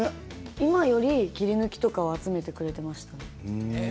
今より切り抜きとか集めてくれてました。